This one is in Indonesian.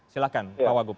silahkan pak wagub